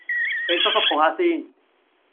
俾叔叔抱吓先